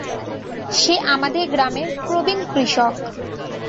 সে আমাদের গ্রামের প্রবীণ কৃষক।